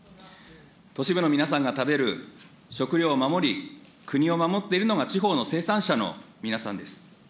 都市部の皆さんが食べる食料を守り、国を守っているのが地方の生産者の皆さんです。